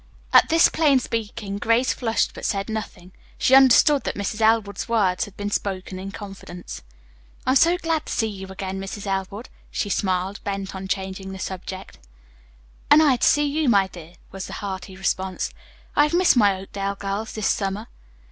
At this plain speaking Grace flushed but said nothing. She understood that Mrs. Elwood's words had been spoken in confidence. "I'm so glad to see you again, Mrs. Elwood," she smiled, bent on changing the subject. "And I to see you, my dear," was the hearty response. "I have missed my Oakdale girls this summer."